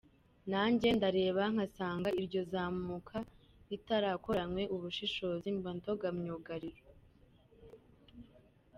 Nange ndareba nkasanga iryo zamuka ritarakoranywe ubushishozi mba ndoga Myugariro !!!.